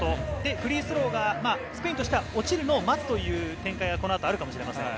フリースローがスペインとしては落ちるのを待つという展開がこの後あるかもしれません。